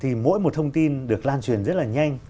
thì mỗi một thông tin được lan truyền rất là nhanh